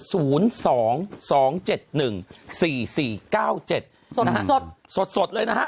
สดสดเลยนะฮะ